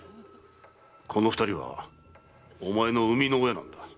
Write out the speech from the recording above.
この二人はお前の生みの親なんだ。